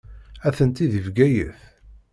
Atenti deg Bgayet.